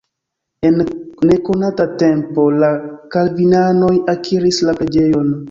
En nekonata tempo la kalvinanoj akiris la preĝejon.